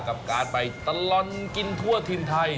กับการไปตลอดกินทั่วถิ่นไทย